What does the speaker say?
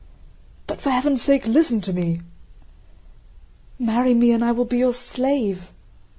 "But for heaven's sake listen to me!" "Marry me, and I will be your slave!"